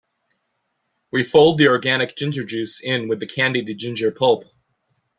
We fold the organic ginger juice in with the candied ginger pulp.